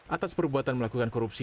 atas perbuatan melakukan korupsi